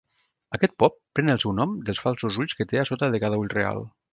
Aquest pop pren el seu nom dels falsos ulls que té a sota de cada ull real.